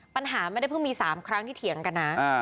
ปัญหาไม่ได้เพิ่งมี๓ครั้งที่เถียงกันนะ